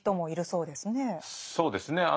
そうですね。